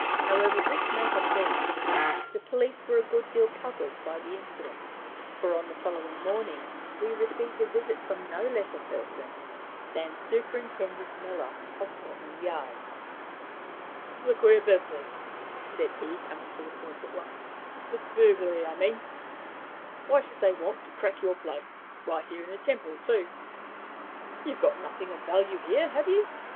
However this may have been, the police were a good deal puzzled by the incident, for, on the following morning, we received a visit from no less a person than Superintendent Miller, of Scotland Yard. "This is a queer business," said he, coming to the point at once "this burglary, I mean. Why should they want to crack your place, right here in the Temple, too? You've got nothing of value here, have you?